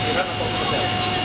cina atau perusahaan